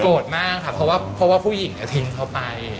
มากค่ะเพราะว่าผู้หญิงทิ้งเขาไป